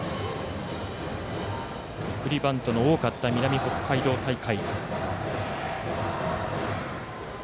送りバントの多かった南北海道大会。